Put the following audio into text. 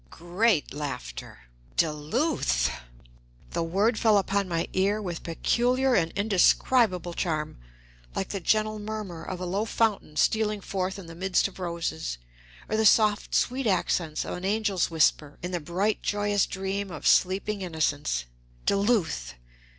(Great laughter.) Duluth! The word fell upon my ear with peculiar and indescribable charm, like the gentle murmur of a low fountain stealing forth in the midst of roses, or the soft, sweet accents of an angel's whisper in the bright, joyous dream of sleeping innocence. Duluth!